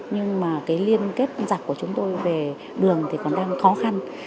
nhưng mà cái liên kết giặc của chúng tôi về đường thì còn đang khó khăn